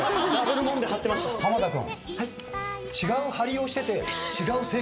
濱田君。